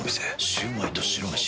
シュウマイと白めし。